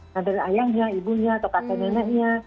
kader ayahnya ibunya atau kakek neneknya